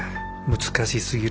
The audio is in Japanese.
難しすぎる。